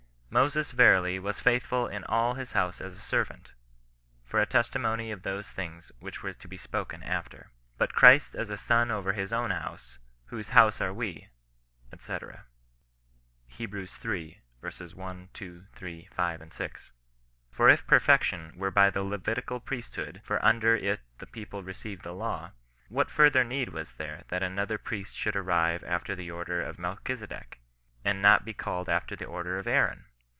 " Moses verily was futhful in all his house as a servant, for a testimony of those things which were to be spoken after. But Christ as a Son over his own house, whose house are we," &c. lb. iii. 1, 2, 3, 6, 6. " For if perfection were by the Levitical priesthood (for under it the people received the law), what further need was there that another priest should arise after the order of Melchisedec, and not be called after the order of Aaron?